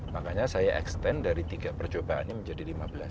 makanya saya extend dari tiga percobaannya menjadi lima belas